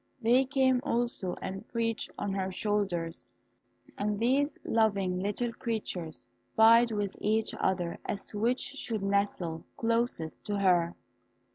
They came also and perched on her shoulders, and these loving little creatures vied with each other as to which should nestle closest to her.